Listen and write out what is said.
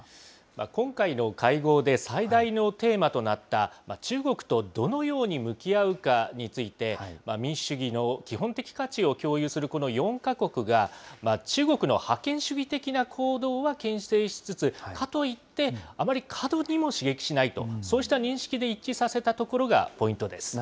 今回の会合で最大のテーマとなった、中国とどのように向き合うかについて、民主主義の基本的価値を共有するこの４か国が、中国の覇権主義的な行動はけん制しつつ、かといって、あまり過度にも刺激しないと、そうした認識で一致させたところがポイントです。